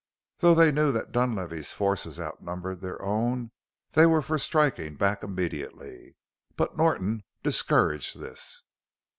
Though they knew that Dunlavey's forces outnumbered their own they were for striking back immediately. But Norton discouraged this.